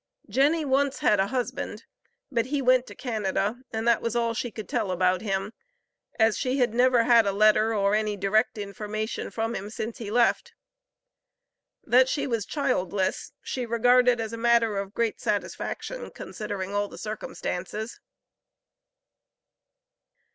Jenny once had a husband, but he went to Canada, and that was all she could tell about him, as she had never had a letter or any direct information from him since he left. That she was childless, she regarded as a matter of great satisfaction, considering all the circumstances.